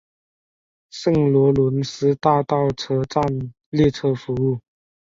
圣罗伦斯大道车站列车服务。